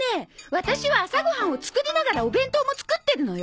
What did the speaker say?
ワタシは朝ご飯を作りながらお弁当も作ってるのよ。